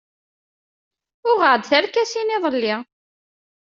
Uɣeɣ-d tarkasin iḍelli.